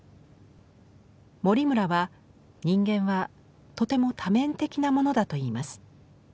森村は人間はとても多面的なものだと言います。